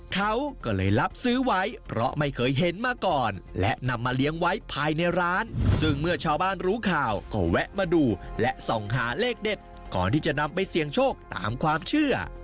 เขาก็เลยรับซื้อไว้เพราะไม่เคยเห็นมาก่อนและนำมาเลี้ยงไว้ภายในร้านซึ่งเมื่อชาวบ้านรู้ข่าวก็แวะมาดูและส่องหาเลขเด็ดก่อนที่จะนำไปเสี่ยงโชคตามความเชื่อ